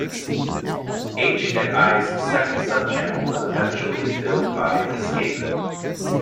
H and I's second subchannel was eventually filled by Escape.